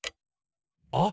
あっ！